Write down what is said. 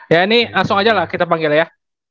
ya ini langsung aja lah kita panggil ya